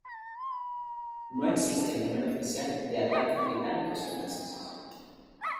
No existe un número oficial de ataques británicos y franceses.